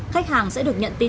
khách hàng sẽ được nhận tin